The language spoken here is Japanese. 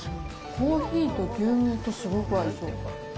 コーヒーと牛乳とすごく合いそう。